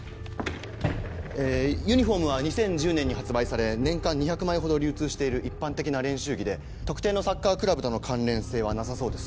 えユニホームは２０１０年に発売され年間２００枚ほど流通している一般的な練習着で特定のサッカークラブとの関連性はなさそうです。